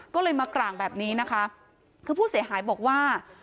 ก็เลยมากร่างแบบนี้นะคะคือผู้เสียหายบอกว่า